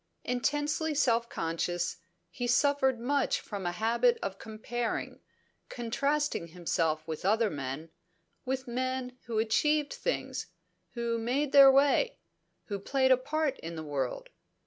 Intensely self conscious, he suffered much from a habit of comparing, contrasting himself with other men, with men who achieved things, who made their way, who played a part in the world.